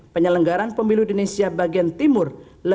penyelenggaraan pemilu indonesia bagian timur